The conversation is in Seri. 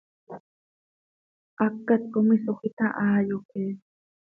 Hacat com isoj itahaa, yoque.